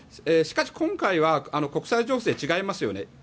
しかし、今回は国際情勢が違いますよね。